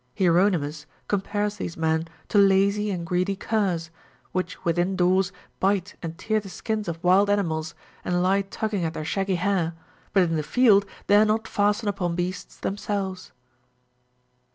Hieronymus compares these men to lazy and greedy curs, which within doors bite and tear the skins of wild animals and lie tugging at their shaggy hair, but in the field dare not fasten upon beasts themselves.